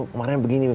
kemarin begini nih